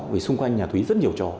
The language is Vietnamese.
vì xung quanh nhà thúy rất nhiều chó